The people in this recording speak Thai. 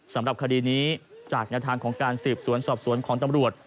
สำหรับคดีนี้จากแนวทางของการสืบสวนสอบสวนของตำรวจ